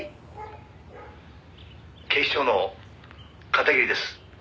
「警視庁の片桐です」